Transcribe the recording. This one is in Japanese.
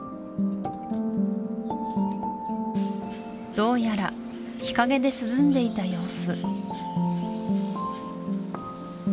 どうやら日陰で涼んでいた様子